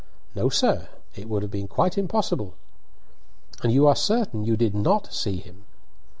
"No, sir; it would have been quite impossible!" "And you are certain you did not see him?"